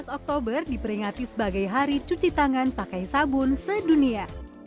tujuh belas oktober diperingati sebagai hari cuci tangan pakai sabun sedunia